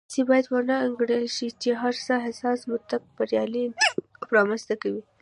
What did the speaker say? داسې باید ونه انګېرل شي چې هره حساسه مقطعه بریالی انقلاب رامنځته کوي.